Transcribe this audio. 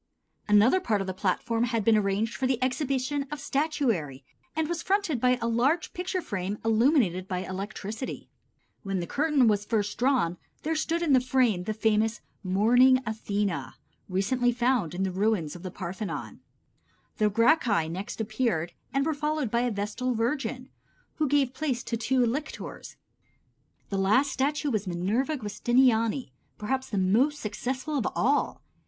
Another part of the platform had been arranged for the exhibition of statuary and was fronted by a large picture frame illuminated by electricity. When the curtain was first drawn there stood in the frame the famous "Mourning Athena," recently found in the ruins of the Parthenon. The Gracchi next appeared and were followed by a vestal virgin, who gave place to two lictors. The last statue was Minerva Giustiniani, perhaps the most successful of all.